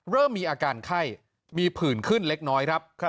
เริ่มมีอาการไข้มีผื่นขึ้นเล็กน้อยครับ